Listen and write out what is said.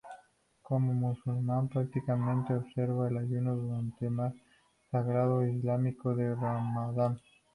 Como musulmán practicante, observa el ayuno durante el mes sagrado islámico de Ramadán.